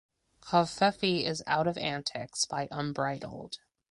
Covfefe is out of Antics by Unbridled.